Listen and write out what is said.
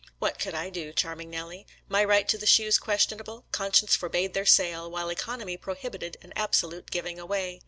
What could I do, Charming Nellie? My right to the shoes questionable, con science forbade their sale, while economy prohib ited an absolute giving away.